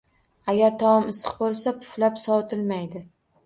Agar taom issiq bo‘lsa, puflab sovutilmaydi.